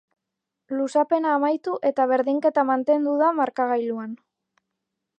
Luzapena amaitu eta berdinketa mantendu da markagailuan.